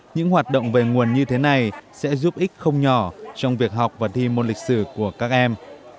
như thế này sẽ giúp ích không nhỏ trong việc học và thi môn lịch sử của các em